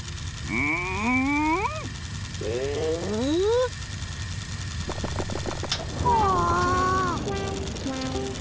うわ！